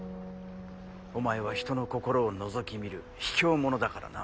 お前は人の心をのぞき見るひきょう者だからな。